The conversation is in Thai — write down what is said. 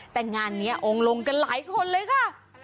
แต่งานนี้องค์ลงกันหลายคนเลยค่ะ